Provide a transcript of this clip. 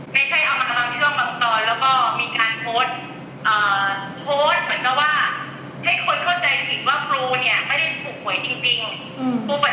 ไม่ใช่เอามาบางช่วงบางตอนแล้วก็มีการโพสต์โพสต์เหมือนกับว่าให้คนเข้าใจผิดว่าครูเนี่ยไม่ได้ถูกหวยจริง